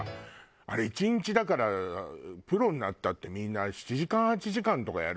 あれ１日だからプロになったってみんな７時間８時間とかやる。